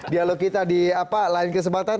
dialog kita di lain kesempatan